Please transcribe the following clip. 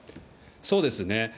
そうですね。